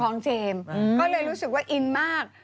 ก็เลยรู้สึกว่าอินมาก